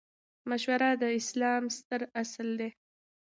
مشوره د اسلام ستر اصل دئ.